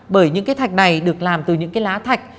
bởi những thạch này được làm từ những lá thạch